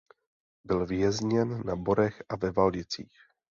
Byl vězněn na Borech a ve Valdicích.